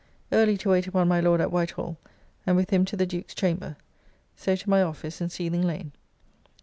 Early to wait upon my Lord at White Hall, and with him to the Duke's chamber. So to my office in Seething Lane.